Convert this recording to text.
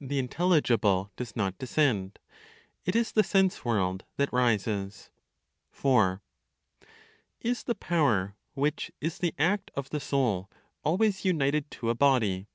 THE INTELLIGIBLE DOES NOT DESCEND; IT IS THE SENSE WORLD THAT RISES. 4. Is the power which is the act of the soul always united to a body?